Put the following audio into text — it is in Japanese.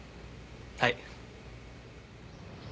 はい！